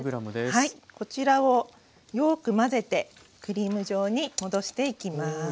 こちらをよく混ぜてクリーム状に戻していきます。